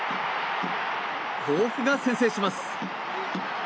甲府が先制します。